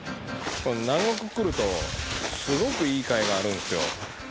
南国来ると、すごくいい貝があるんですよ。